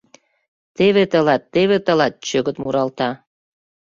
«Теве тылат — теве тылат!» — чӧгыт муралта.